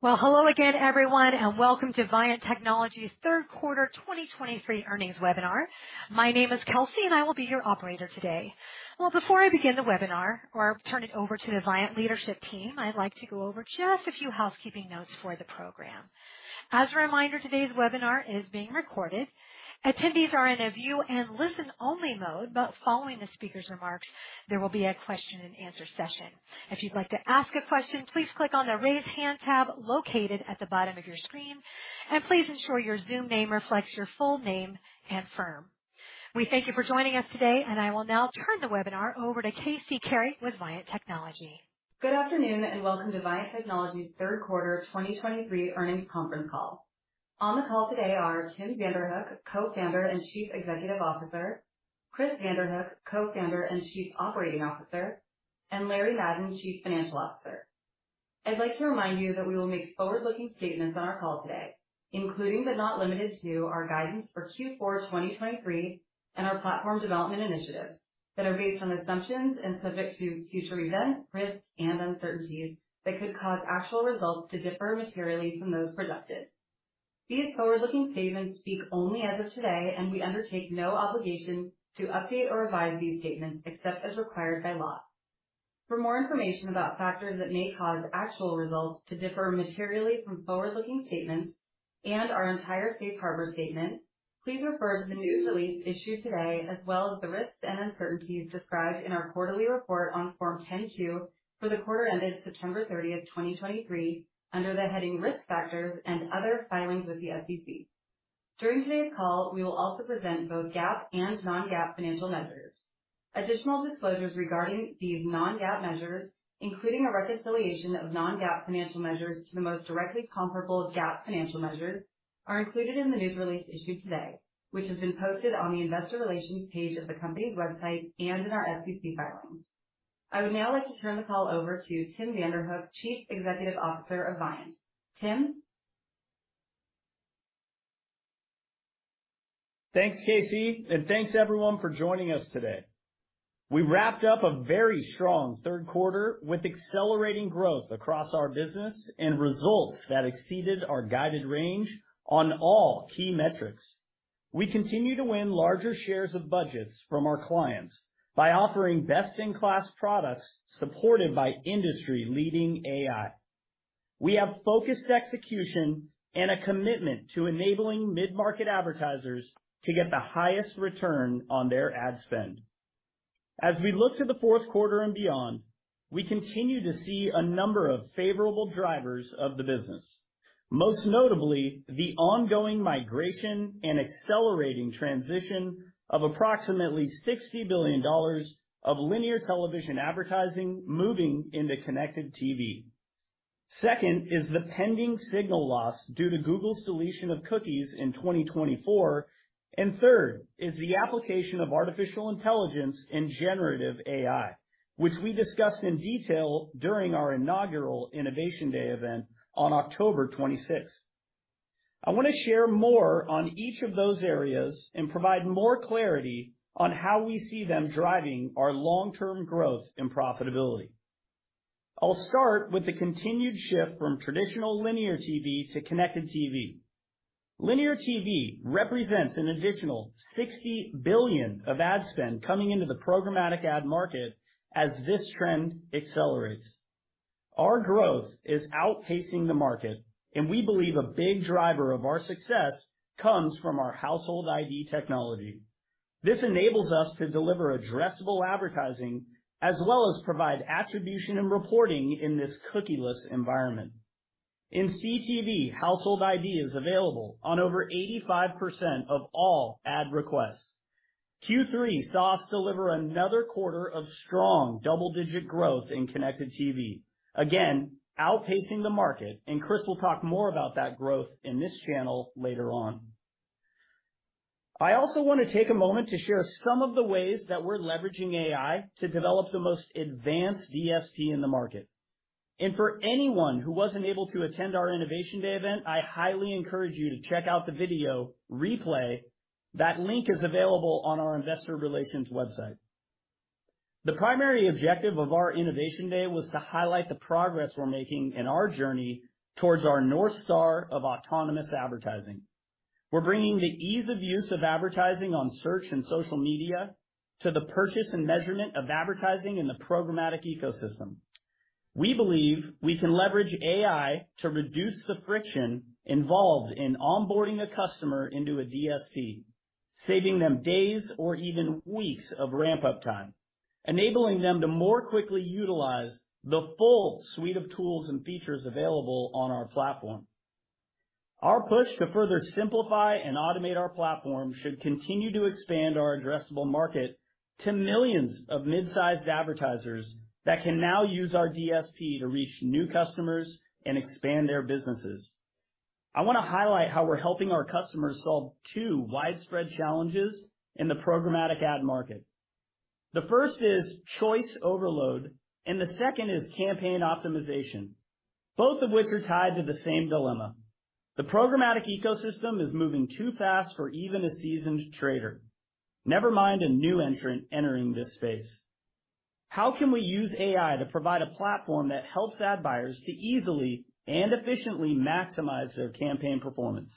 Well, hello again, everyone, and welcome to Viant Technology's third quarter 2023 earnings webinar. My name is Kelsey, and I will be your operator today. Well, before I begin the webinar or turn it over to the Viant leadership team, I'd like to go over just a few housekeeping notes for the program. As a reminder, today's webinar is being recorded. Attendees are in a view and listen-only mode, but following the speaker's remarks, there will be a question-and-answer session. If you'd like to ask a question, please click on the Raise Hand tab located at the bottom of your screen, and please ensure your Zoom name reflects your full name and firm. We thank you for joining us today, and I will now turn the webinar over to KC Carey with Viant Technology. Good afternoon, and welcome to Viant Technology's third quarter 2023 earnings conference call. On the call today are Tim Vanderhook, Co-founder and Chief Executive Officer, Chris Vanderhook, Co-founder and Chief Operating Officer, and Larry Madden, Chief Financial Officer. I'd like to remind you that we will make forward-looking statements on our call today, including but not limited to, our guidance for Q4 2023 and our platform development initiatives that are based on assumptions and subject to future events, risks and uncertainties that could cause actual results to differ materially from those predicted. These forward-looking statements speak only as of today, and we undertake no obligation to update or revise these statements except as required by law. For more information about factors that may cause actual results to differ materially from forward-looking statements and our entire safe harbor statement, please refer to the news release issued today, as well as the risks and uncertainties described in our quarterly report on Form 10-Q for the quarter ended September thirtieth, 2023, under the heading Risk Factors and other filings with the SEC. During today's call, we will also present both GAAP and non-GAAP financial measures. Additional disclosures regarding these non-GAAP measures, including a reconciliation of non-GAAP financial measures to the most directly comparable GAAP financial measures, are included in the news release issued today, which has been posted on the investor relations page of the company's website and in our SEC filings. I would now like to turn the call over to Tim Vanderhook, Chief Executive Officer of Viant. Tim? Thanks, Casey, and thanks, everyone, for joining us today. We wrapped up a very strong third quarter with accelerating growth across our business and results that exceeded our guided range on all key metrics. We continue to win larger shares of budgets from our clients by offering best-in-class products supported by industry-leading AI. We have focused execution and a commitment to enabling mid-market advertisers to get the highest return on their ad spend. As we look to the fourth quarter and beyond, we continue to see a number of favorable drivers of the business, most notably the ongoing migration and accelerating transition of approximately $60 billion of linear television advertising moving into connected TV. Second is the pending signal loss due to Google's deletion of cookies in 2024, and third is the application of artificial intelligence and generative AI, which we discussed in detail during our inaugural Innovation Day event on October 26th. I wanna share more on each of those areas and provide more clarity on how we see them driving our long-term growth and profitability. I'll start with the continued shift from traditional linear TV to connected TV. Linear TV repre sents an additional $60 billion of ad spend coming into the programmatic ad market as this trend accelerates. Our growth is outpacing the market, and we believe a big driver of our success comes from our Household ID technology. This enables us to deliver addressable advertising as well as provide attribution and reporting in this cookieless environment. In CTV, Household ID is available on over 85% of all ad requests. Q3 saw us deliver another quarter of strong double-digit growth in connected TV, again outpacing the market, and Chris will talk more about that growth in this channel later on. I also want to take a moment to share some of the ways that we're leveraging AI to develop the most advanced DSP in the market. And for anyone who wasn't able to attend our Innovation Day event, I highly encourage you to check out the video replay. That link is available on our investor relations website. The primary objective of our Innovation Day was to highlight the progress we're making in our journey towards our North Star of autonomous advertising. We're bringing the ease of use of advertising on search and social media to the purchase and measurement of advertising in the programmatic ecosystem. We believe we can leverage AI to reduce the friction involved in onboarding a customer into a DSP, saving them days or even weeks of ramp-up time, enabling them to more quickly utilize the full suite of tools and features available on our platform. Our push to further simplify and automate our platform should continue to expand our addressable market to millions of mid-sized advertisers that can now use our DSP to reach new customers and expand their businesses. I wanna highlight how we're helping our customers solve two widespread challenges in the programmatic ad market. The first is choice overload, and the second is campaign optimization, both of which are tied to the same dilemma. The programmatic ecosystem is moving too fast for even a seasoned trader. Never mind a new entrant entering this space. How can we use AI to provide a platform that helps ad buyers to easily and efficiently maximize their campaign performance?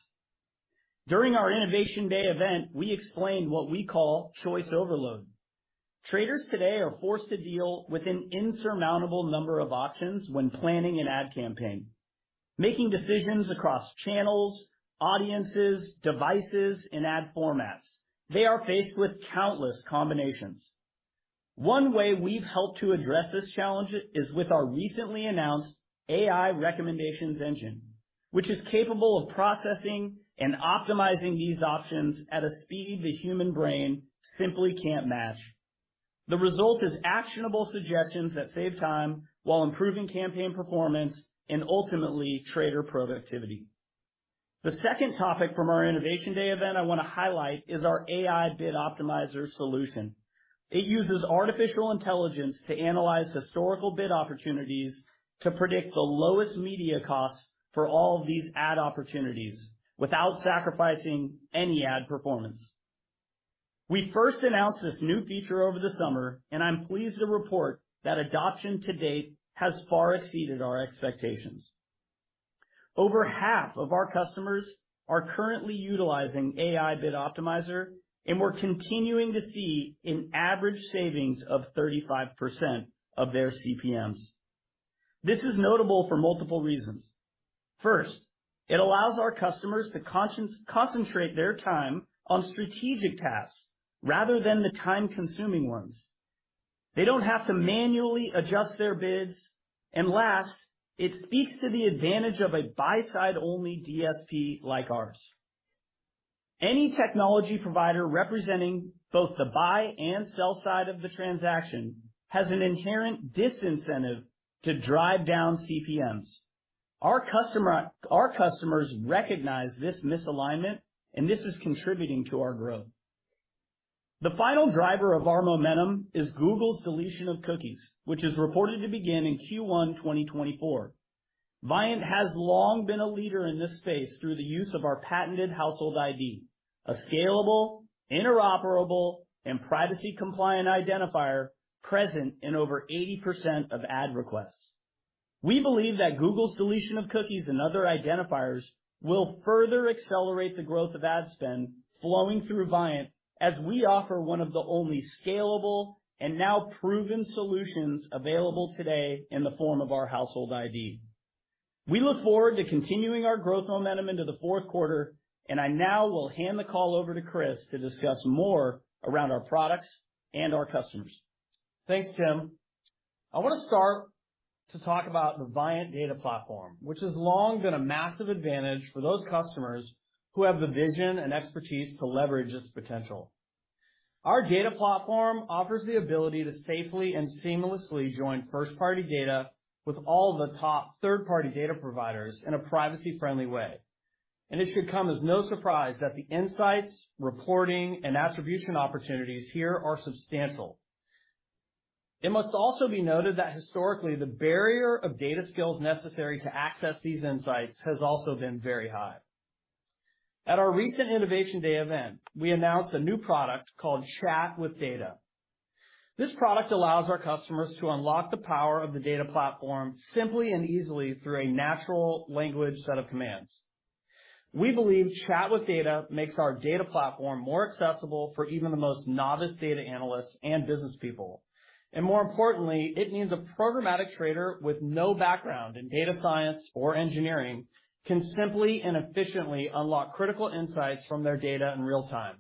During our Innovation Day event, we explained what we call choice overload. Traders today are forced to deal with an insurmountable number of options when planning an ad campaign, making decisions across channels, audiences, devices, and ad formats. They are faced with countless combinations. One way we've helped to address this challenge is with our recently announced AI Recommendations Engine, which is capable of processing and optimizing these options at a speed the human brain simply can't match. The result is actionable suggestions that save time while improving campaign performance and ultimately, trader productivity. The second topic from our Innovation Day event I wanna highlight is our AI Bid Optimizer solution. It uses artificial intelligence to analyze historical bid opportunities to predict the lowest media costs for all of these ad opportunities without sacrificing any ad performance. We first announced this new feature over the summer, and I'm pleased to report that adoption to date has far exceeded our expectations. Over half of our customers are currently utilizing AI Bid Optimizer, and we're continuing to see an average savings of 35% of their CPMs. This is notable for multiple reasons. First, it allows our customers to concentrate their time on strategic tasks rather than the time-consuming ones. They don't have to manually adjust their bids, and last, it speaks to the advantage of a buy-side-only DSP like ours. Any technology provider representing both the buy and sell side of the transaction has an inherent disincentive to drive down CPMs. Our customers recognize this misalignment, and this is contributing to our growth. The final driver of our momentum is Google's deletion of cookies, which is reported to begin in Q1 2024. Viant has long been a leader in this space through the use of our patented Household ID, a scalable, interoperable, and privacy-compliant identifier present in over 80% of ad requests. We believe that Google's deletion of cookies and other identifiers will further accelerate the growth of ad spend flowing through Viant, as we offer one of the only scalable and now proven solutions available today in the form of our Household ID. We look forward to continuing our growth momentum into the fourth quarter, and I now will hand the call over to Chris to discuss more around our products and our customers. Thanks, Tim. I wanna start to talk about the Viant Data Platform, which has long been a massive advantage for those customers who have the vision and expertise to leverage its potential. Our data platform offers the ability to safely and seamlessly join first-party data with all the top third-party data providers in a privacy-friendly way, and it should come as no surprise that the insights, reporting, and attribution opportunities here are substantial. It must also be noted that historically, the barrier of data skills necessary to access these insights has also been very high. At our recent Innovation Day event, we announced a new product called Chat with Data. This product allows our customers to unlock the power of the data platform simply and easily through a natural language set of commands. We believe Chat with Data makes our data platform more accessible for even the most novice data analysts and businesspeople. More importantly, it means a programmatic trader with no background in data science or engineering can simply and efficiently unlock critical insights from their data in real time,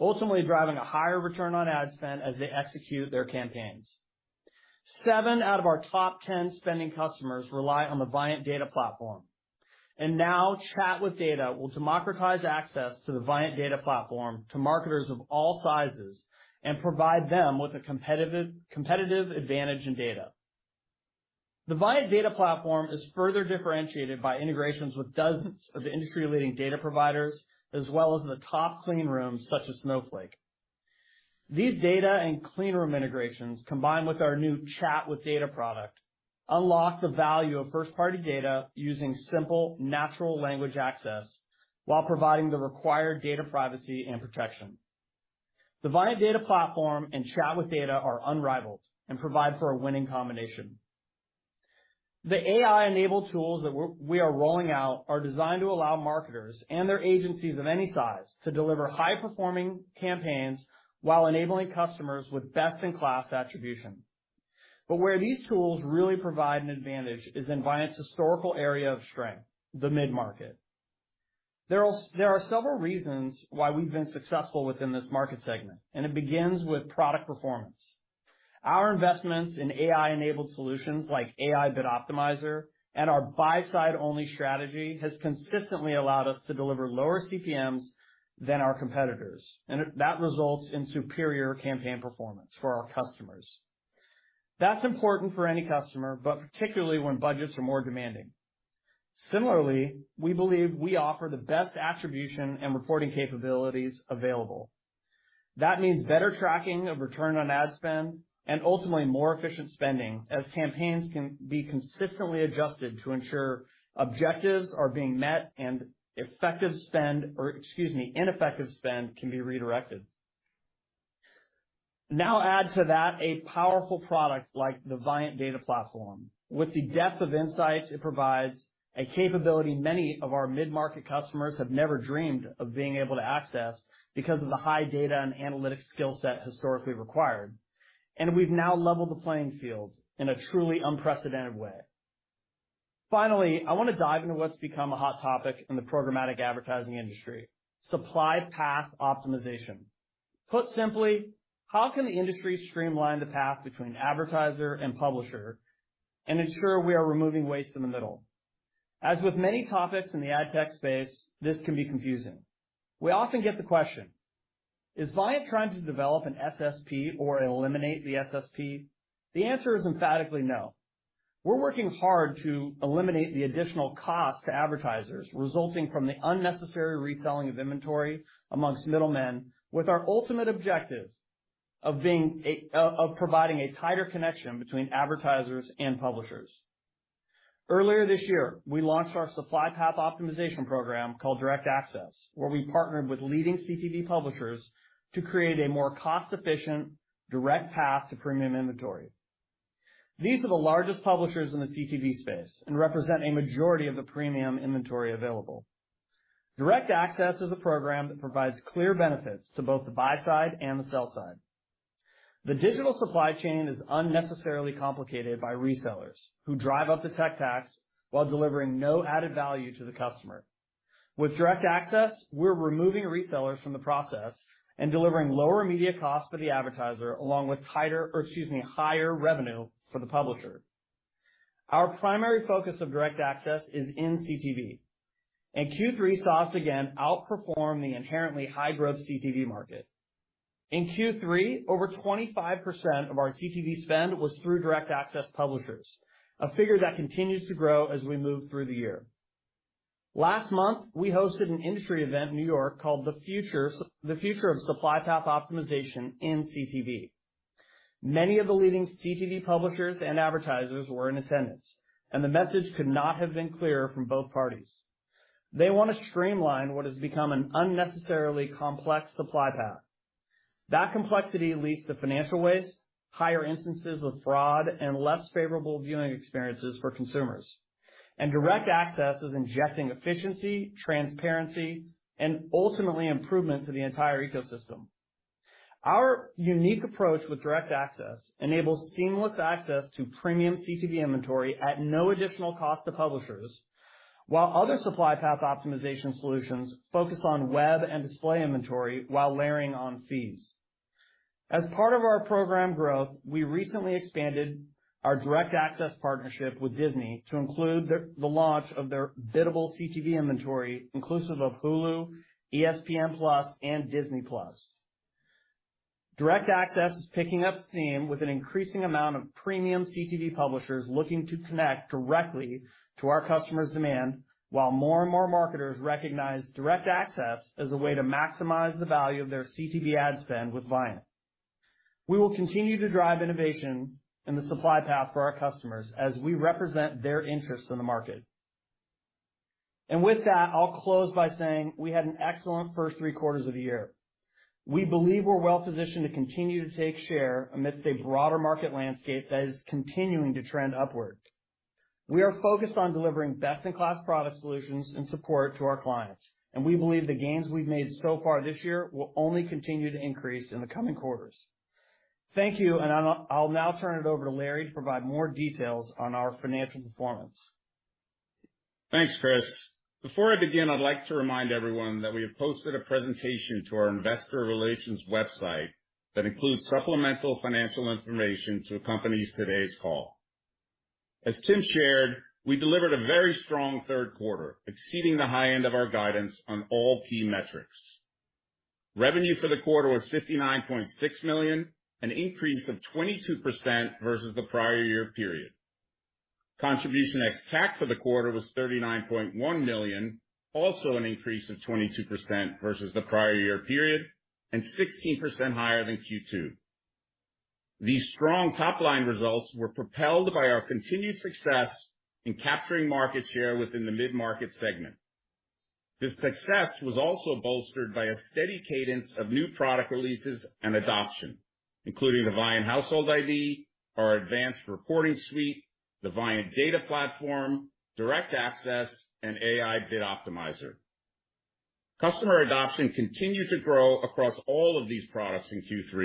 ultimately driving a higher Return on Ad Spend as they execute their campaigns. Seven out of our top 10 spending customers rely on the Viant Data Platform, and now, Chat with Data will democratize access to the Viant Data Platform to marketers of all sizes and provide them with a competitive, competitive advantage in data. The Viant Data Platform is further differentiated by integrations with dozens of industry-leading data providers, as well as the top clean rooms, such as Snowflake. These data and clean room integrations, combined with our new Chat with Data product, unlock the value of First-Party Data using simple natural language access, while providing the required data privacy and protection. The Viant Data Platform and Chat with Data are unrivaled and provide for a winning combination. The AI-enabled tools that we're, we are rolling out are designed to allow marketers and their agencies of any size to deliver high-performing campaigns while enabling customers with best-in-class attribution. But where these tools really provide an advantage is in Viant's historical area of strength, the mid-market. There are several reasons why we've been successful within this market segment, and it begins with product performance. Our investments in AI-enabled solutions like AI Bid Optimizer and our buy-side-only strategy has consistently allowed us to deliver lower CPMs than our competitors, and that results in superior campaign performance for our customers. That's important for any customer, but particularly when budgets are more demanding. Similarly, we believe we offer the best attribution and reporting capabilities available. That means better tracking of return on ad spend and ultimately more efficient spending, as campaigns can be consistently adjusted to ensure objectives are being met and effective spend... Or excuse me, ineffective spend can be redirected. Now add to that a powerful product like the Viant Data Platform, with the depth of insights it provides, a capability many of our mid-market customers have never dreamed of being able to access because of the high data and analytics skill set historically required, and we've now leveled the playing field in a truly unprecedented way. Finally, I want to dive into what's become a hot topic in the programmatic advertising industry: supply path optimization. Put simply, how can the industry streamline the path between advertiser and publisher and ensure we are removing waste in the middle? As with many topics in the ad tech space, this can be confusing. We often get the question: Is Viant trying to develop an SSP or eliminate the SSP? The answer is emphatically no. We're working hard to eliminate the additional cost to advertisers resulting from the unnecessary reselling of inventory among middlemen, with our ultimate objective of providing a tighter connection between advertisers and publishers. Earlier this year, we launched our supply path optimization program called Direct Access, where we partnered with leading CTV publishers to create a more cost-efficient, direct path to premium inventory. These are the largest publishers in the CTV space and represent a majority of the premium inventory available. Direct Access is a program that provides clear benefits to both the buy side and the sell side. The digital supply chain is unnecessarily complicated by resellers who drive up the tech tax while delivering no added value to the customer. With Direct Access, we're removing resellers from the process and delivering lower media costs for the advertiser, along with tighter, or excuse me, higher revenue for the publisher. Our primary focus of Direct Access is in CTV, and Q3 saw us again outperform the inherently high-growth CTV market. In Q3, over 25% of our CTV spend was through Direct Access publishers, a figure that continues to grow as we move through the year. Last month, we hosted an industry event in New York called The Future, The Future of Supply Path Optimization in CTV. Many of the leading CTV publishers and advertisers were in attendance, and the message could not have been clearer from both parties. They want to streamline what has become an unnecessarily complex supply path. That complexity leads to financial waste, higher instances of fraud, and less favorable viewing experiences for consumers. Direct Access is injecting efficiency, transparency, and ultimately improvement to the entire ecosystem. Our unique approach with Direct Access enables seamless access to premium CTV inventory at no additional cost to publishers, while other supply path optimization solutions focus on web and display inventory while layering on fees. As part of our program growth, we recently expanded our Direct Access partnership with Disney to include the launch of their biddable CTV inventory, inclusive of Hulu, ESPN+, and Disney+. Direct Access is picking up steam with an increasing amount of premium CTV publishers looking to connect directly to our customers' demand, while more and more marketers recognize Direct Access as a way to maximize the value of their CTV ad spend with Viant. We will continue to drive innovation in the supply path for our customers as we represent their interests in the market. With that, I'll close by saying we had an excellent first three quarters of the year. We believe we're well positioned to continue to take share amidst a broader market landscape that is continuing to trend upward. We are focused on delivering best-in-class product solutions and support to our clients, and we believe the gains we've made so far this year will only continue to increase in the coming quarters. Thank you, and I'll, I'll now turn it over to Larry to provide more details on our financial performance. Thanks, Chris. Before I begin, I'd like to remind everyone that we have posted a presentation to our investor relations website that includes supplemental financial information to accompany today's call. As Tim shared, we delivered a very strong third quarter, exceeding the high end of our guidance on all key metrics. Revenue for the quarter was $59.6 million, an increase of 22% versus the prior year period. Contribution ex-TAC for the quarter was $39.1 million, also an increase of 22% versus the prior year period, and 16% higher than Q2. These strong top-line results were propelled by our continued success in capturing market share within the mid-market segment. This success was also bolstered by a steady cadence of new product releases and adoption, including the Viant Household ID, our Advanced Reporting suite, the Viant Data Platform, Direct Access, and AI Bid Optimizer. Customer adoption continued to grow across all of these products in Q3,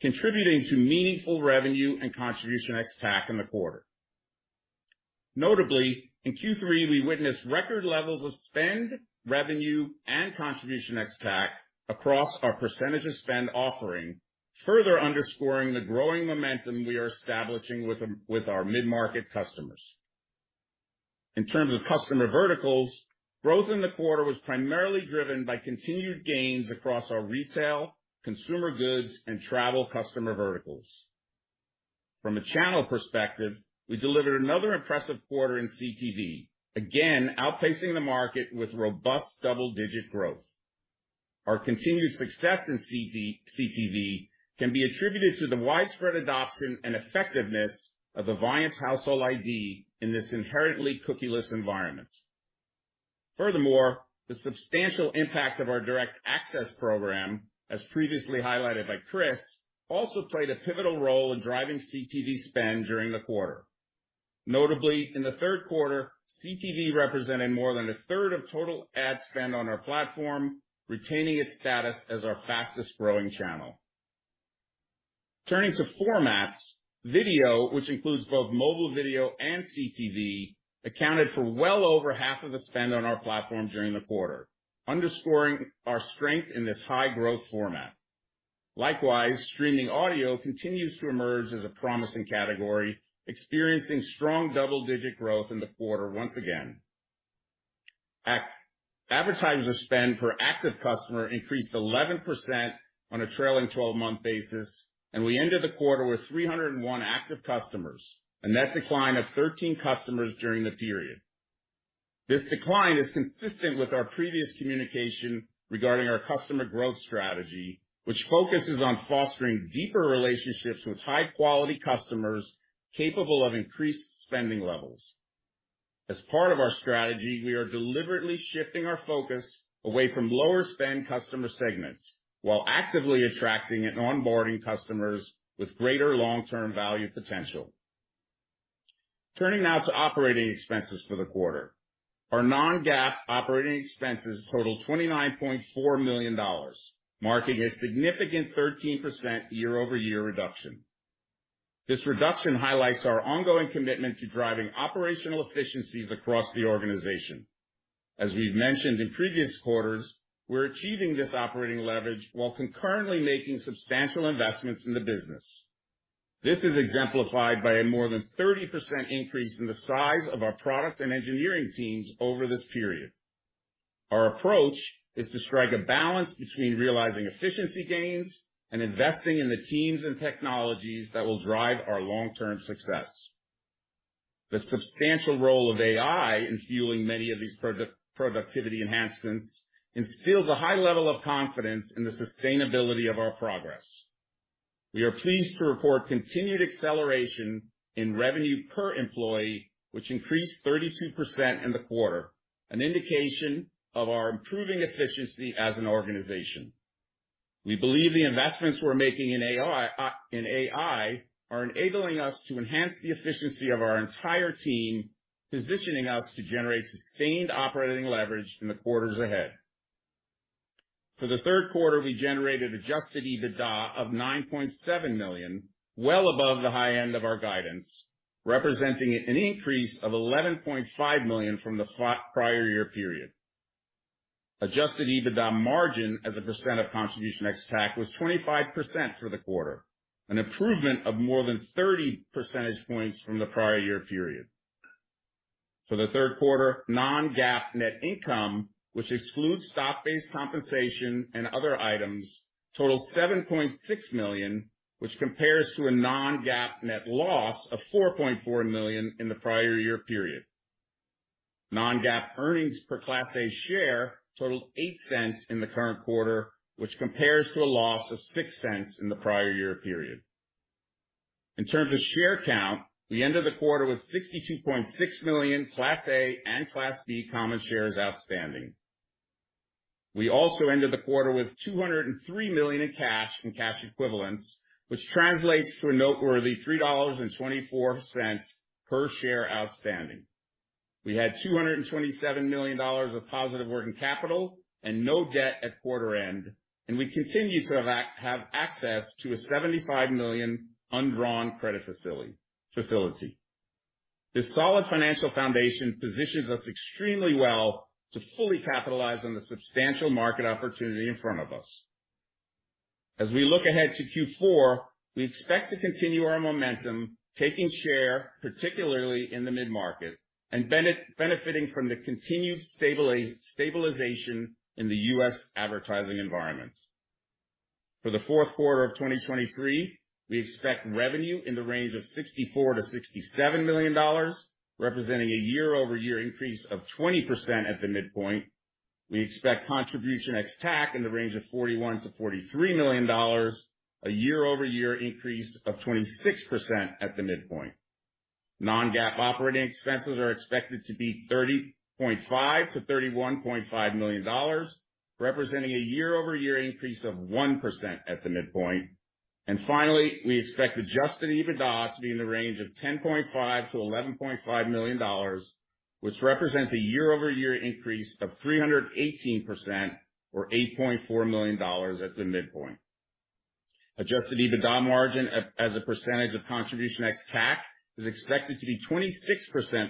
contributing to meaningful revenue and contribution ex-TAC in the quarter. Notably, in Q3, we witnessed record levels of spend, revenue, and contribution ex-TAC across our percentage of spend offering, further underscoring the growing momentum we are establishing with our mid-market customers. In terms of customer verticals, growth in the quarter was primarily driven by continued gains across our retail, consumer goods, and travel customer verticals. From a channel perspective, we delivered another impressive quarter in CTV, again outpacing the market with robust double-digit growth. Our continued success in CTV can be attributed to the widespread adoption and effectiveness of the Viant Household ID in this inherently cookieless environment. Furthermore, the substantial impact of our Direct Access program, as previously highlighted by Chris, also played a pivotal role in driving CTV spend during the quarter. Notably, in the third quarter, CTV represented more than a third of total ad spend on our platform, retaining its status as our fastest growing channel. Turning to formats, video, which includes both mobile video and CTV, accounted for well over half of the spend on our platform during the quarter, underscoring our strength in this high growth format. Likewise, streaming audio continues to emerge as a promising category, experiencing strong double-digit growth in the quarter once again. Advertiser spend per active customer increased 11% on a trailing 12-month basis, and we ended the quarter with 301 active customers, a net decline of 13 customers during the period. This decline is consistent with our previous communication regarding our customer growth strategy, which focuses on fostering deeper relationships with high-quality customers capable of increased spending levels. As part of our strategy, we are deliberately shifting our focus away from lower spend customer segments, while actively attracting and onboarding customers with greater long-term value potential. Turning now to operating expenses for the quarter. Our non-GAAP operating expenses totaled $29.4 million, marking a significant 13% year-over-year reduction. This reduction highlights our ongoing commitment to driving operational efficiencies across the organization. As we've mentioned in previous quarters, we're achieving this operating leverage while concurrently making substantial investments in the business. This is exemplified by a more than 30% increase in the size of our product and engineering teams over this period. Our approach is to strike a balance between realizing efficiency gains and investing in the teams and technologies that will drive our long-term success. The substantial role of AI in fueling many of these productivity enhancements instills a high level of confidence in the sustainability of our progress. We are pleased to report continued acceleration in revenue per employee, which increased 32% in the quarter, an indication of our improving efficiency as an organization. We believe the investments we're making in AI, in AI, are enabling us to enhance the efficiency of our entire team, positioning us to generate sustained operating leverage in the quarters ahead. For the third quarter, we generated adjusted EBITDA of $9.7 million, well above the high end of our guidance, representing an increase of $11.5 million from the prior year period. Adjusted EBITDA margin as a percent of contribution ex-TAC was 25% for the quarter, an improvement of more than 30 percentage points from the prior year period. For the third quarter, non-GAAP net income, which excludes stock-based compensation and other items, totaled $7.6 million, which compares to a non-GAAP net loss of $4.4 million in the prior year period. Non-GAAP earnings per Class A share totaled $0.08 in the current quarter, which compares to a loss of $0.06 in the prior year period. In terms of share count, we ended the quarter with 62.6 million Class A and Class B common shares outstanding. We also ended the quarter with $203 million in cash and cash equivalents, which translates to a noteworthy $3.24 per share outstanding. We had $227 million of positive working capital and no debt at quarter end, and we continue to have access to a $75 million undrawn credit facility. This solid financial foundation positions us extremely well to fully capitalize on the substantial market opportunity in front of us. As we look ahead to Q4, we expect to continue our momentum, taking share, particularly in the mid-market, and benefiting from the continued stabilization in the US advertising environment. For the fourth quarter of 2023, we expect revenue in the range of $64 million-$67 million, representing a year-over-year increase of 20% at the midpoint. We expect contribution ex-TAC in the range of $41 million-$43 million, a year-over-year increase of 26% at the midpoint. Non-GAAP operating expenses are expected to be $30.5 million-$31.5 million, representing a year-over-year increase of 1% at the midpoint. Finally, we expect Adjusted EBITDA to be in the range of $10.5 million-$11.5 million, which represents a year-over-year increase of 318% or $8.4 million at the midpoint. Adjusted EBITDA margin as a percentage of contribution ex-TAC is expected to be 26%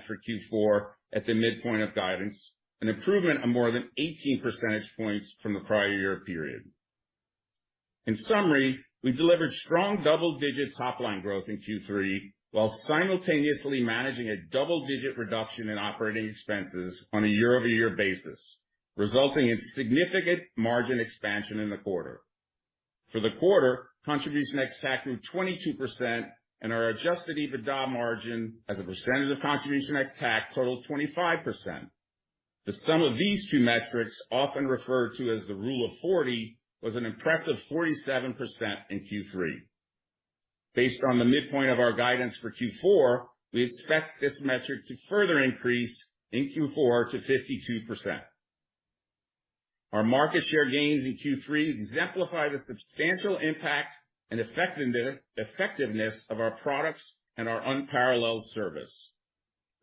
for Q4 at the midpoint of guidance, an improvement of more than 18 percentage points from the prior year period. In summary, we delivered strong double-digit top-line growth in Q3, while simultaneously managing a double-digit reduction in operating expenses on a year-over-year basis, resulting in significant margin expansion in the quarter. For the quarter, contribution ex-TAC grew 22% and our Adjusted EBITDA margin as a percentage of contribution ex-TAC totaled 25%. The sum of these two metrics, often referred to as the Rule of 40, was an impressive 47% in Q3. Based on the midpoint of our guidance for Q4, we expect this metric to further increase in Q4 to 52%. Our market share gains in Q3 exemplify the substantial impact and effectiveness of our products and our unparalleled service.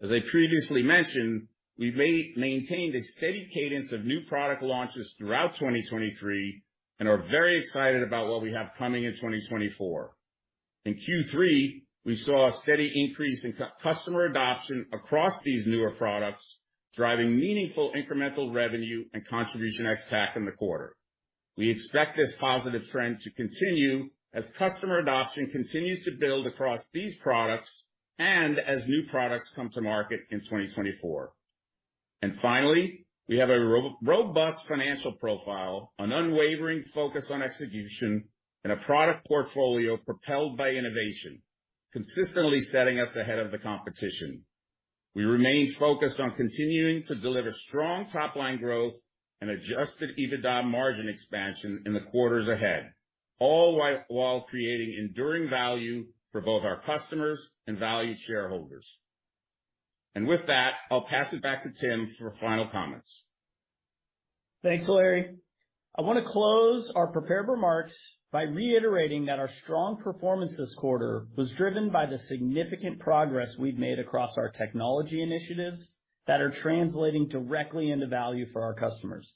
As I previously mentioned, we maintained a steady cadence of new product launches throughout 2023 and are very excited about what we have coming in 2024. In Q3, we saw a steady increase in customer adoption across these newer products, driving meaningful incremental revenue and contribution ex-TAC in the quarter. We expect this positive trend to continue as customer adoption continues to build across these products and as new products come to market in 2024. And finally, we have a robust financial profile, an unwavering focus on execution, and a product portfolio propelled by innovation, consistently setting us ahead of the competition. We remain focused on continuing to deliver strong top-line growth and Adjusted EBITDA margin expansion in the quarters ahead, all while creating enduring value for both our customers and valued shareholders. And with that, I'll pass it back to Tim for final comments. Thanks, Larry. I want to close our prepared remarks by reiterating that our strong performance this quarter was driven by the significant progress we've made across our technology initiatives that are translating directly into value for our customers.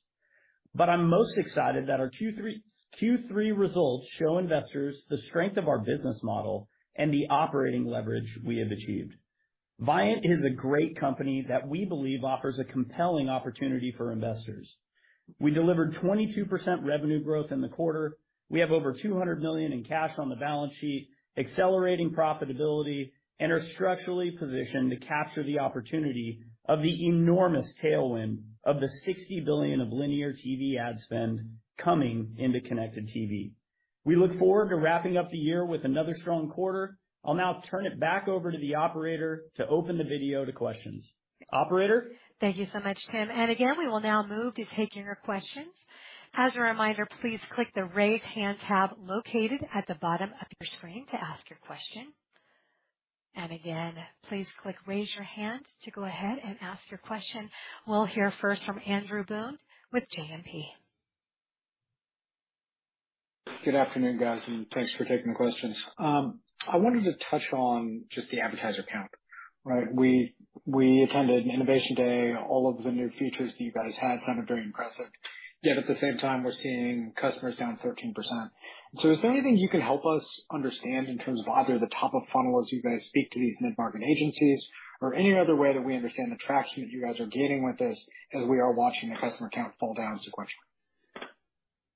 But I'm most excited that our Q3, Q3 results show investors the strength of our business model and the operating leverage we have achieved. Viant is a great company that we believe offers a compelling opportunity for investors. We delivered 22% revenue growth in the quarter. We have over $200 million in cash on the balance sheet, accelerating profitability, and are structurally positioned to capture the opportunity of the enormous tailwind of the $60 billion of linear TV ad spend coming into Connected TV. We look forward to wrapping up the year with another strong quarter. I'll now turn it back over to the operator to open the video to questions. Operator? Thank you so much, Tim. And again, we will now move to taking your questions. As a reminder, please click the Raise Hand tab located at the bottom of your screen to ask your question. And again, please click Raise Your Hand to go ahead and ask your question. We'll hear first from Andrew Boone with JMP. Good afternoon, guys, and thanks for taking the questions. I wanted to touch on just the advertiser count, right? We attended Innovation Day. All of the new features you guys had sounded very impressive. Yet at the same time, we're seeing customers down 13%. So is there anything you can help us understand in terms of either the top of funnel as you guys speak to these mid-market agencies, or any other way that we understand the traction that you guys are gaining with this, as we are watching the customer count fall down sequentially?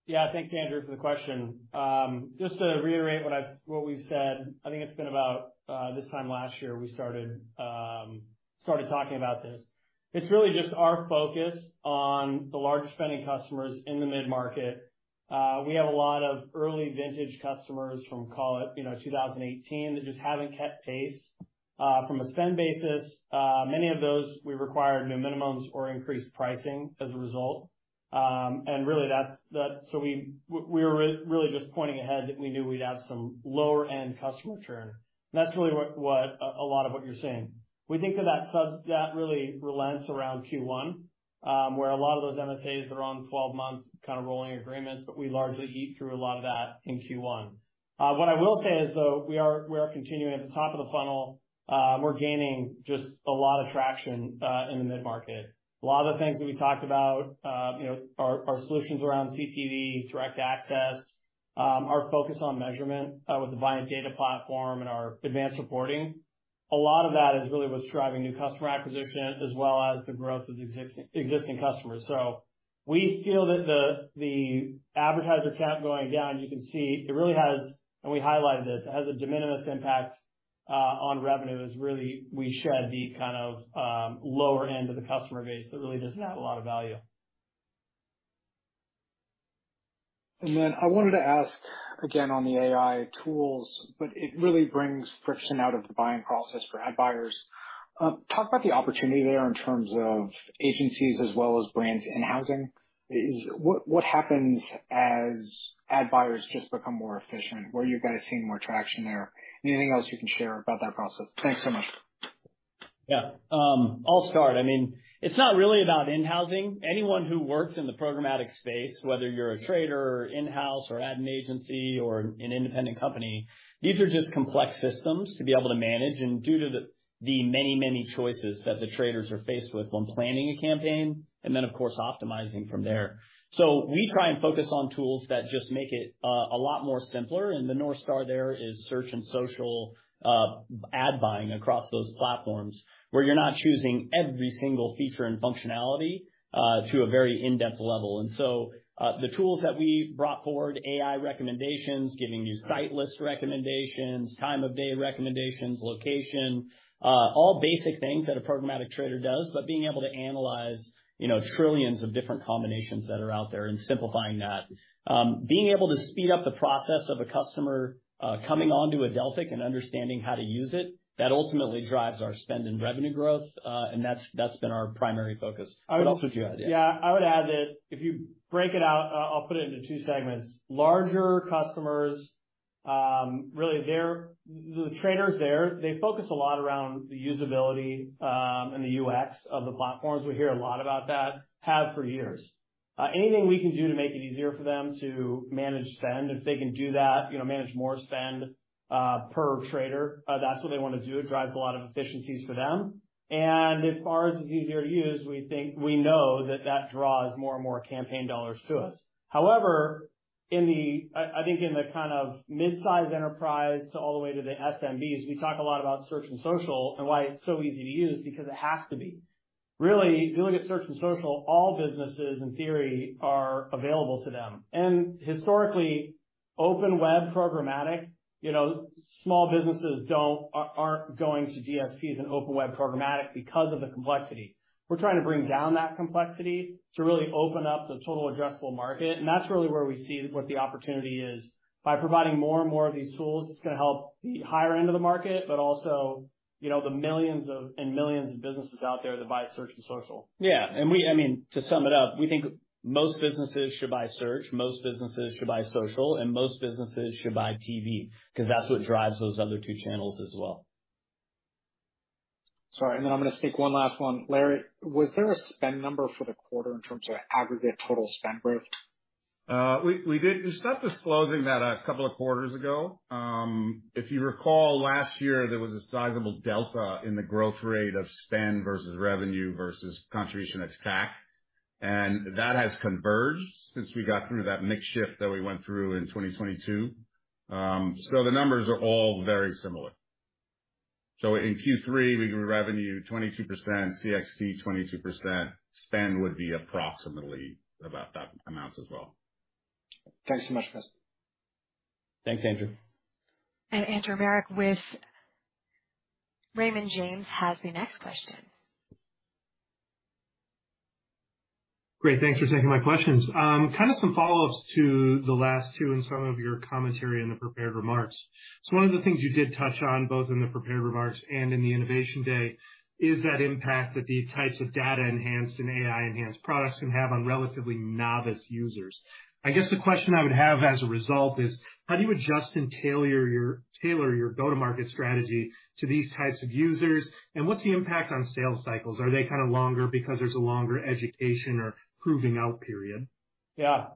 Yeah, thanks, Andrew, for the question. Just to reiterate what we've said, I think it's been about this time last year, we started talking about this. It's really just our focus on the larger spending customers in the mid-market. We have a lot of early vintage customers from, call it, you know, 2018, that just haven't kept pace. From a spend basis, many of those we required new minimums or increased pricing as a result. And really that's that. So we were really just pointing ahead that we knew we'd have some lower-end customer churn. And that's really what a lot of what you're seeing. We think that that subsides, that really relents around Q1, where a lot of those MSAs are on 12-month kind of rolling agreements, but we largely eat through a lot of that in Q1. What I will say is, though, we are continuing at the top of the funnel, we're gaining just a lot of traction in the mid-market. A lot of the things that we talked about, you know, our solutions around CTV, Direct Access, our focus on measurement with the Viant Data Platform and our Advanced Reporting, a lot of that is really what's driving new customer acquisition as well as the growth of the existing customers. So we feel that the advertiser count going down, you can see it really has, and we highlighted this, it has a de minimis impact on revenue, as really we shed the kind of lower end of the customer base that really doesn't add a lot of value. I wanted to ask again on the AI tools, but it really brings friction out of the buying process for ad buyers. Talk about the opportunity there in terms of agencies as well as brands in-housing. What happens as ad buyers just become more efficient? Where are you guys seeing more traction there? Anything else you can share about that process? Thanks so much. Yeah, I'll start. I mean, it's not really about in-housing. Anyone who works in the programmatic space, whether you're a trader or in-house or at an agency or an independent company, these are just complex systems to be able to manage, and due to the many, many choices that the traders are faced with when planning a campaign, and then, of course, optimizing from there. So we try and focus on tools that just make it a lot more simpler, and the North Star there is search and social ad buying across those platforms, where you're not choosing every single feature and functionality to a very in-depth level. So, the tools that we brought forward, AI recommendations, giving you site list recommendations, time of day recommendations, location, all basic things that a programmatic trader does, but being able to analyze, you know, trillions of different combinations that are out there and simplifying that. Being able to speed up the process of a customer coming onto Adelphic and understanding how to use it, that ultimately drives our spend and revenue growth, and that's, that's been our primary focus. What else would you add? Yeah. Yeah, I would add that if you break it out, I'll put it into two segments. Larger customers, really, they're, the traders there, they focus a lot around the usability and the UX of the platforms. We hear a lot about that, have for years. Anything we can do to make it easier for them to manage spend, if they can do that, you know, manage more spend per trader, that's what they wanna do. It drives a lot of efficiencies for them. And if ours is easier to use, we think, we know that that draws more and more campaign dollars to us. However, in the, I think in the kind of mid-sized enterprise to all the way to the SMBs, we talk a lot about search and social and why it's so easy to use, because it has to be. Really, doing a search and social, all businesses, in theory, are available to them. And historically, open web programmatic, you know, small businesses aren't going to DSPs and open web programmatic because of the complexity. We're trying to bring down that complexity to really open up the total addressable market, and that's really where we see what the opportunity is. By providing more and more of these tools, it's gonna help the higher end of the market, but also, you know, the millions of, and millions of businesses out there that buy search and social. Yeah, I mean, to sum it up, we think most businesses should buy search, most businesses should buy social, and most businesses should buy TV, 'cause that's what drives those other two channels as well. Sorry, and then I'm gonna sneak one last one. Larry, was there a spend number for the quarter in terms of aggregate total spend growth? We did. We stopped disclosing that a couple of quarters ago. If you recall, last year, there was a sizable delta in the growth rate of spend versus revenue versus contribution ex-TAC, and that has converged since we got through that mix shift that we went through in 2022. So the numbers are all very similar. So in Q3, we do revenue 22%, contribution ex-TAC 22%, spend would be approximately about that amount as well. Thanks so much, Chris. Thanks, Andrew. Andrew Marok with Raymond James has the next question. Great. Thanks for taking my questions. Kind of some follow-ups to the last two and some of your commentary in the prepared remarks. So one of the things you did touch on, both in the prepared remarks and in the innovation day, is that impact that the types of data-enhanced and AI-enhanced products can have on relatively novice users. I guess the question I would have as a result is: How do you adjust and tailor your, tailor your go-to-market strategy to these types of users, and what's the impact on sales cycles? Are they kind of longer because there's a longer education or proving out period? Yeah.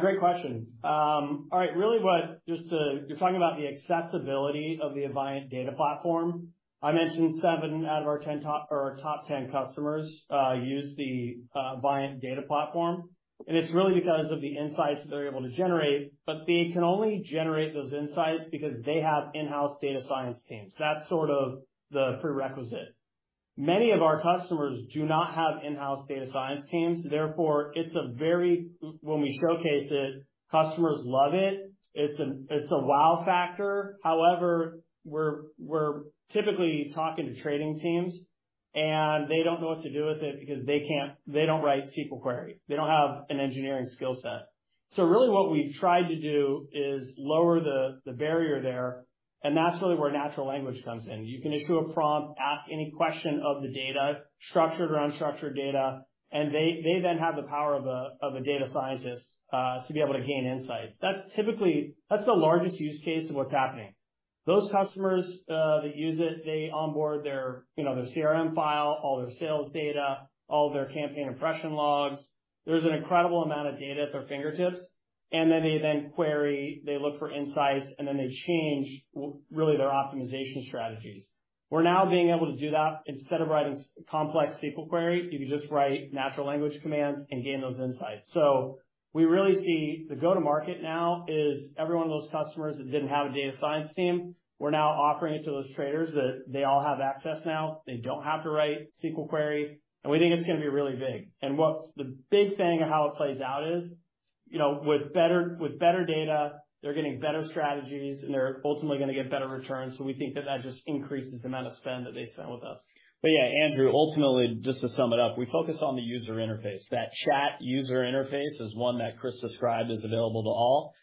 Great question. All right, really what, just to... You're talking about the accessibility of the Viant Data Platform. I mentioned seven out of our 10 top or our top 10 customers use the Viant Data Platform, and it's really because of the insights they're able to generate, but they can only generate those insights because they have in-house data science teams. That's sort of the prerequisite. Many of our customers do not have in-house data science teams, therefore, when we showcase it, customers love it. It's a wow factor. However, we're typically talking to trading teams, and they don't know what to do with it because they can't, they don't write SQL query. They don't have an engineering skill set. So really what we've tried to do is lower the barrier there, and that's really where natural language comes in. You can issue a prompt, ask any question of the data, structured or unstructured data, and they then have the power of a data scientist to be able to gain insights. That's typically. That's the largest use case of what's happening. Those customers that use it, they onboard their, you know, their CRM file, all their sales data, all their campaign impression logs. There's an incredible amount of data at their fingertips, and then they query, they look for insights, and then they change really their optimization strategies. We're now being able to do that. Instead of writing complex SQL query, you can just write natural language commands and gain those insights. So we really see the go-to-market now is every one of those customers that didn't have a data science team. We're now offering it to those traders, that they all have access now. They don't have to write SQL query, and we think it's gonna be really big. And what's the big thing of how it plays out is, you know, with better, with better data, they're getting better strategies, and they're ultimately gonna get better returns. So we think that that just increases the amount of spend that they spend with us. But yeah, Andrew, ultimately, just to sum it up, we focus on the user interface. That chat user interface is one that Chris described is available to all.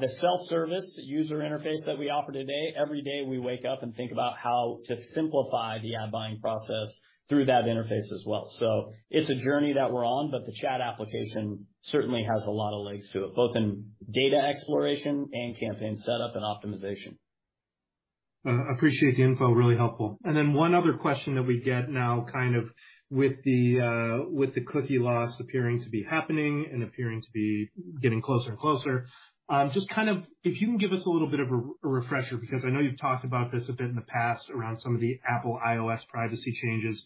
The self-service user interface that we offer today, every day we wake up and think about how to simplify the ad buying process through that interface as well. So it's a journey that we're on, but the chat application certainly has a lot of legs to it, both in data exploration and campaign setup and optimization. Appreciate the info. Really helpful. And then one other question that we get now, kind of with the cookie loss appearing to be happening and appearing to be getting closer and closer, just kind of if you can give us a little bit of a refresher, because I know you've talked about this a bit in the past around some of the Apple iOS privacy changes,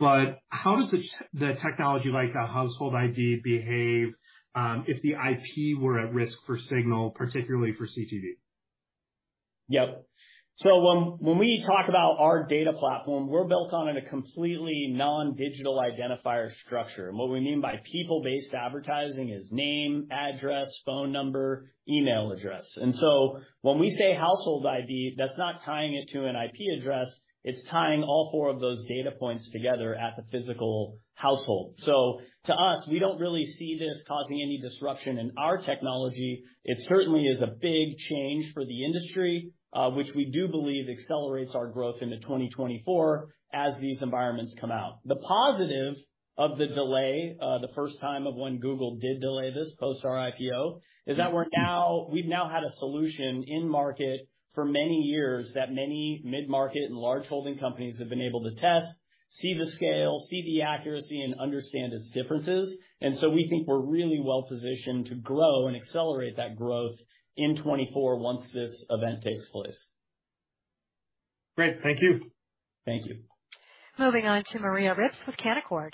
but how does the technology, like the Household ID, behave, if the IP were at risk for signal, particularly for CTV? Yep. So when we talk about our data platform, we're built on a completely non-digital identifier structure, and what we mean by people-based advertising is name, address, phone number, email address. And so when we say Household ID, that's not tying it to an IP address, it's tying all four of those data points together at the physical Household. So to us, we don't really see this causing any disruption in our technology. It certainly is a big change for the industry, which we do believe accelerates our growth into 2024 as these environments come out. The positive of the delay, the first time of when Google did delay this, post our IPO, is that we've now had a solution in market for many years that many mid-market and large holding companies have been able to test. see the scale, see the accuracy, and understand its differences. And so we think we're really well positioned to grow and accelerate that growth in 2024 once this event takes place. Great. Thank you. Thank you. Moving on to Maria Ripps with Canaccord.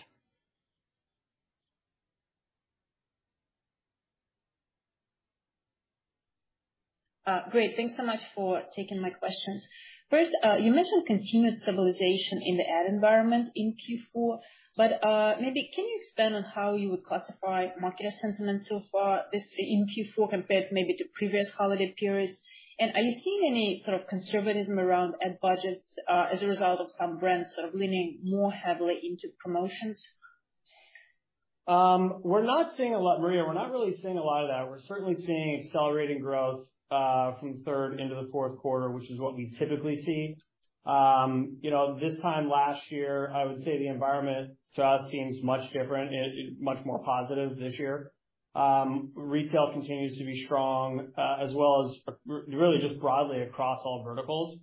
Great. Thanks so much for taking my questions. First, you mentioned continuous stabilization in the ad environment in Q4, but maybe can you expand on how you would classify market sentiment so far this, in Q4, compared maybe to previous holiday periods? And are you seeing any sort of conservatism around ad budgets, as a result of some brands sort of leaning more heavily into promotions? We're not seeing a lot, Maria, we're not really seeing a lot of that. We're certainly seeing accelerating growth from third into the fourth quarter, which is what we typically see. You know, this time last year, I would say the environment, to us, seems much different and much more positive this year. Retail continues to be strong, as well as really just broadly across all verticals.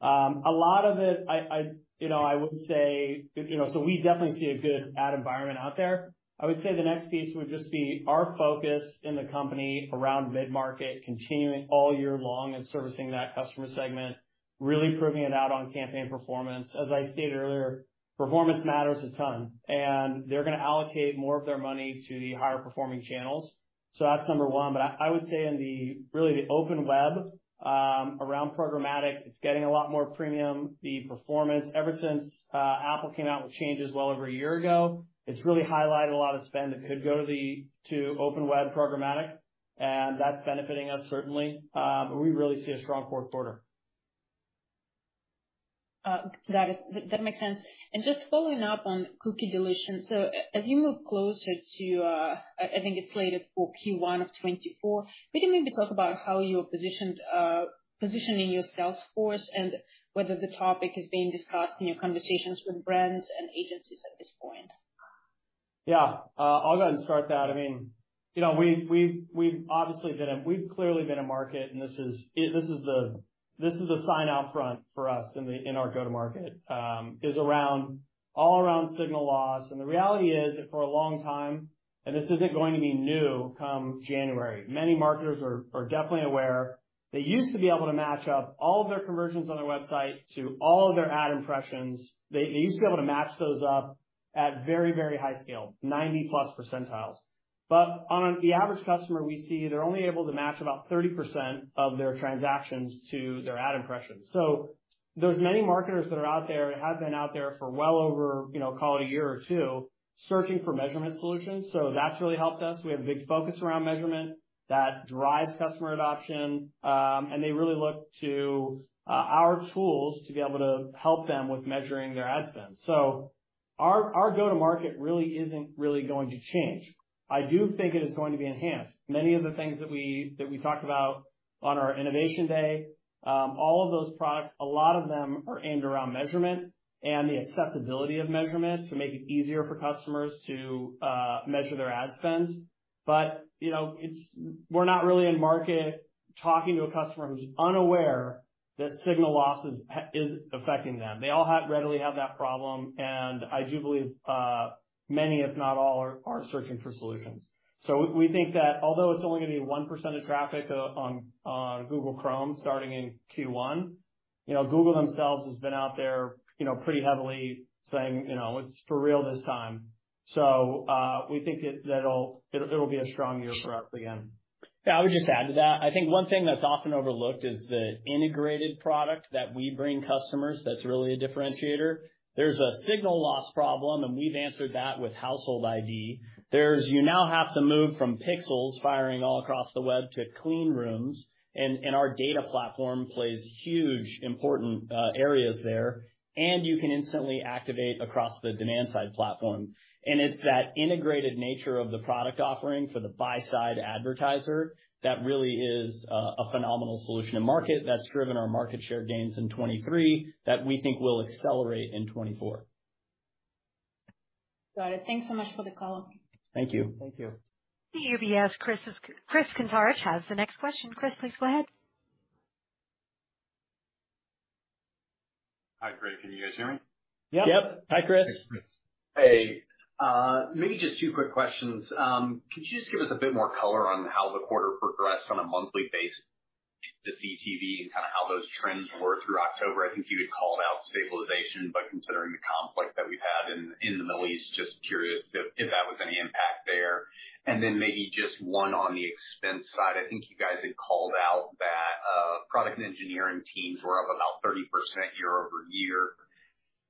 A lot of it, you know, I wouldn't say, you know, so we definitely see a good ad environment out there. I would say the next piece would just be our focus in the company around mid-market, continuing all year long and servicing that customer segment, really proving it out on campaign performance. As I stated earlier, performance matters a ton, and they're gonna allocate more of their money to the higher performing channels. So that's number one. But I, I would say in the really the open web, around programmatic, it's getting a lot more premium. The performance, ever since Apple came out with changes well over a year ago, it's really highlighted a lot of spend that could go to the to open web programmatic, and that's benefiting us certainly. But we really see a strong fourth quarter. That makes sense. And just following up on cookie deletion: so as you move closer to, I think it's slated for Q1 of 2024, can you maybe talk about how you're positioning your sales force and whether the topic is being discussed in your conversations with brands and agencies at this point? Yeah, I'll go ahead and start that. I mean, you know, we've clearly been a market, and this is the sign out front for us in our go-to-market is around all around signal loss. And the reality is that for a long time, and this isn't going to be new come January, many marketers are definitely aware. They used to be able to match up all of their conversions on their website to all of their ad impressions. They used to be able to match those up at very, very high scale, 90+ percentiles. But on the average customer, we see they're only able to match about 30% of their transactions to their ad impressions. So there's many marketers that are out there, and have been out there for well over, you know, call it a year or two, searching for measurement solutions. So that's really helped us. We have a big focus around measurement that drives customer adoption, and they really look to our tools to be able to help them with measuring their ad spend. So our go-to-market really isn't really going to change. I do think it is going to be enhanced. Many of the things that we talked about on our innovation day, all of those products, a lot of them are aimed around measurement and the accessibility of measurement to make it easier for customers to measure their ad spends. But, you know, it's... We're not really in market talking to a customer who's unaware that signal loss is affecting them. They all have readily that problem, and I do believe many, if not all, are searching for solutions. So we think that although it's only going to be 1% of traffic on Google Chrome starting in Q1, you know, Google themselves has been out there, you know, pretty heavily saying, "You know, it's for real this time." So we think that it'll be a strong year for us again. Yeah, I would just add to that. I think one thing that's often overlooked is the integrated product that we bring customers. That's really a differentiator. There's a signal loss problem, and we've answered that with Household ID. There's, you now have to move from pixels firing all across the web to clean rooms, and our data platform plays huge, important areas there, and you can instantly activate across the demand-side platform. And it's that integrated nature of the product offering for the buy-side advertiser that really is a phenomenal solution to market, that's driven our market share gains in 2023, that we think will accelerate in 2024. Got it. Thanks so much for the call. Thank you. Thank you. UBS, Chris, Chris Kuntarich has the next question. Chris, please go ahead. Hi, great, can you guys hear me? Yep. Yep. Hi, Chris. Hey. Maybe just two quick questions. Could you just give us a bit more color on how the quarter progressed on a monthly basis to CTV, and kind of how those trends were through October? I think you had called out stabilization, but considering the conflict that we've had in the Middle East, just curious if that was any impact there. And then maybe just one on the expense side. I think you guys had called out that product and engineering teams were up about 30% year-over-year.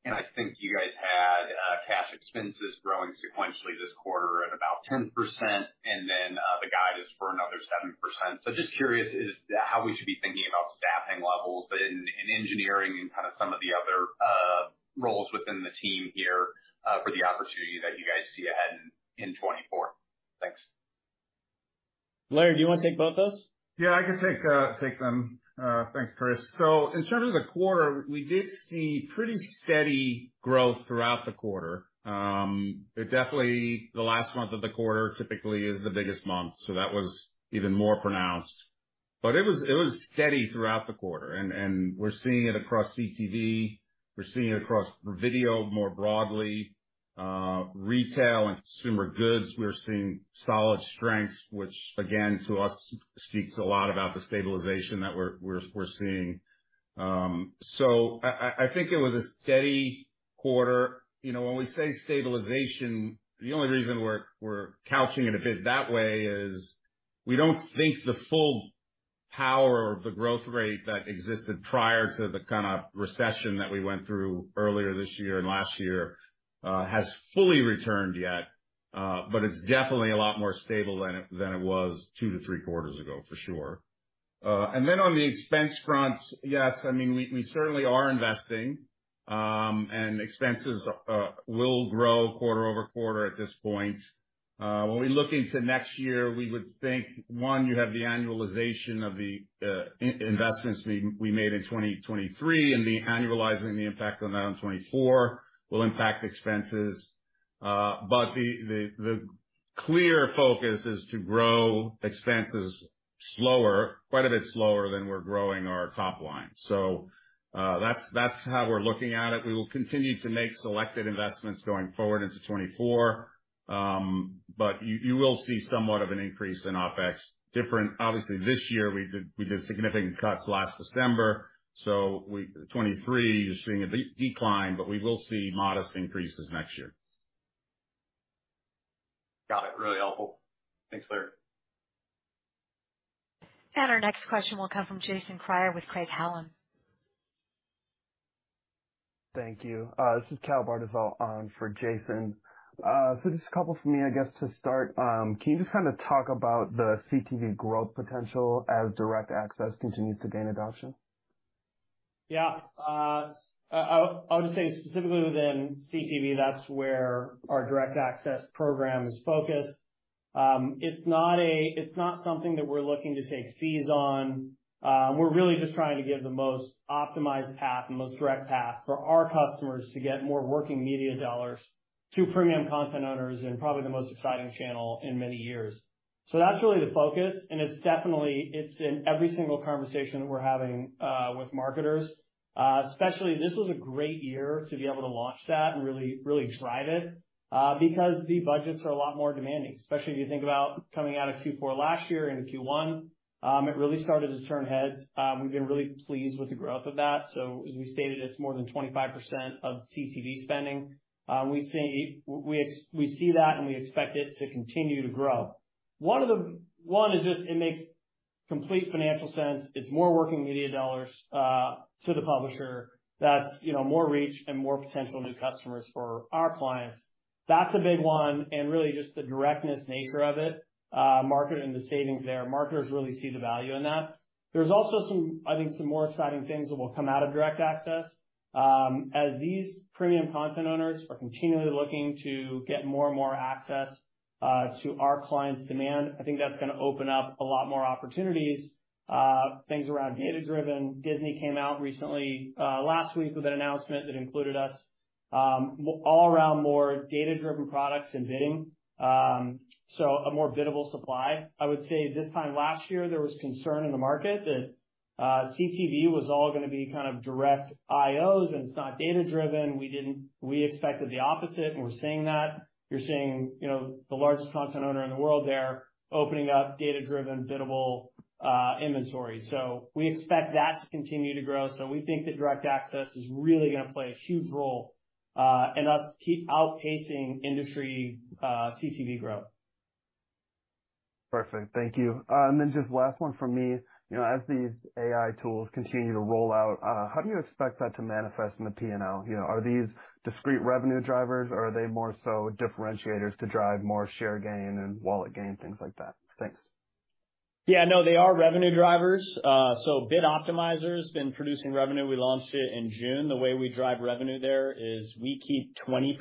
And I think you guys had cash expenses growing sequentially this quarter at about 10%, and then the guidance for another 7%. So just curious is how we should be thinking about staffing levels in engineering and kind of some of the other roles within the team here for the opportunity that you guys see ahead in 2024? Thanks. Larry, do you want to take both those? Yeah, I can take them. Thanks, Chris. So in terms of the quarter, we did see pretty steady growth throughout the quarter. But definitely, the last month of the quarter typically is the biggest month, so that was even more pronounced. But it was steady throughout the quarter, and we're seeing it across CTV, we're seeing it across video more broadly, retail and consumer goods, we're seeing solid strengths, which again, to us, speaks a lot about the stabilization that we're seeing. So I think it was a steady quarter. You know, when we say stabilization, the only reason we're couching it a bit that way is we don't think the full power of the growth rate that existed prior to the kind of recession that we went through earlier this year and last year has fully returned yet. But it's definitely a lot more stable than it was two to three quarters ago, for sure. And then on the expense front, yes, I mean, we, we certainly are investing, and expenses will grow quarter-over-quarter at this point. When we look into next year, we would think, one, you have the annualization of the investments we, we made in 2023, and the annualizing the impact of that on 2024 will impact expenses. But the, the, the clear focus is to grow expenses slower, quite a bit slower than we're growing our top line. So, that's, that's how we're looking at it. We will continue to make selected investments going forward into 2024. But you, you will see somewhat of an increase in OpEx. Different, obviously, this year, we did, we did significant cuts last December, so 23, you're seeing a decline, but we will see modest increases next year. Got it. Really helpful. Thanks, Larry. Our next question will come from Jason Kreyer with Craig-Hallum. Thank you. This is Cal Bartyzal on for Jason. So just a couple from me, I guess, to start. Can you just kind of talk about the CTV growth potential as Direct Access continues to gain adoption? Yeah. I, I'll just say specifically within CTV, that's where our Direct Access program is focused. It's not something that we're looking to take fees on. We're really just trying to give the most optimized path, the most direct path, for our customers to get more working media dollars to premium content owners and probably the most exciting channel in many years. So that's really the focus, and it's definitely, it's in every single conversation we're having with marketers. Especially, this was a great year to be able to launch that and really, really drive it because the budgets are a lot more demanding, especially if you think about coming out of Q4 last year into Q1, it really started to turn heads. We've been really pleased with the growth of that. So as we stated, it's more than 25% of CTV spending. We see that, and we expect it to continue to grow. One, it just, it makes complete financial sense. It's more working media dollars to the publisher that's, you know, more reach and more potential new customers for our clients. That's a big one, and really just the directness nature of it, market and the savings there, marketers really see the value in that. There's also some, I think, some more exciting things that will come out of Direct Access. As these premium content owners are continually looking to get more and more access to our clients' demand, I think that's gonna open up a lot more opportunities, things around data-driven. Disney came out recently, last week, with an announcement that included us, all around more data-driven products and bidding, so a more biddable supply. I would say this time last year, there was concern in the market that, CTV was all gonna be kind of direct IOs, and it's not data-driven. We expected the opposite, and we're seeing that. You're seeing, you know, the largest content owner in the world there, opening up data-driven, biddable, inventory. So we expect that to continue to grow. So we think that Direct Access is really gonna play a huge role, in us keep outpacing industry, CTV growth. Perfect. Thank you. And then just last one from me. You know, as these AI tools continue to roll out, how do you expect that to manifest in the PNL? You know, are these discrete revenue drivers, or are they more so differentiators to drive more share gain and wallet gain, things like that? Thanks. Yeah, no, they are revenue drivers. So Bid Optimizer's been producing revenue. We launched it in June. The way we drive revenue there is we keep 20%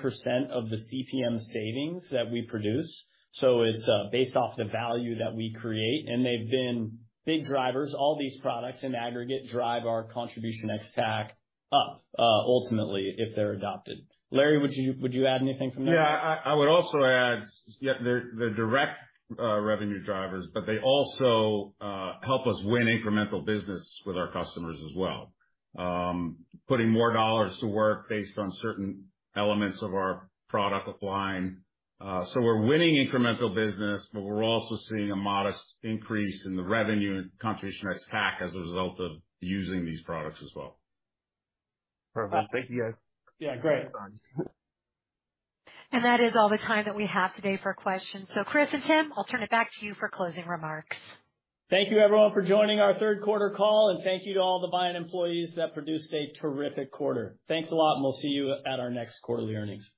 of the CPM savings that we produce, so it's based off the value that we create. And they've been big drivers. All these products in aggregate drive our Contribution ex-TAC up, ultimately, if they're adopted. Larry, would you, would you add anything from there? Yeah, I would also add, yeah, they're direct revenue drivers, but they also help us win incremental business with our customers as well. Putting more dollars to work based on certain elements of our product applying. So we're winning incremental business, but we're also seeing a modest increase in the revenue and contribution ex-TAC as a result of using these products as well. Perfect. Thank you, guys. Yeah, great. That is all the time that we have today for questions. Chris and Tim, I'll turn it back to you for closing remarks. Thank you, everyone, for joining our third quarter call, and thank you to all the Viant employees that produced a terrific quarter. Thanks a lot, and we'll see you at our next quarterly earnings.